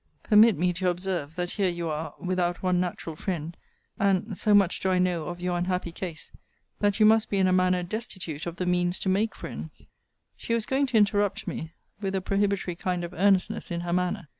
Permit me to observe, that here you are, without one natural friend; and (so much do I know of your unhappy case) that you must be in a manner destitute of the means to make friends She was going to interrupt me, with a prohibitory kind of earnestness in her manner.